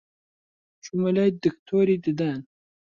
چوومە لای دکتۆری ددان